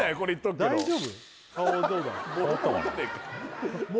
大丈夫？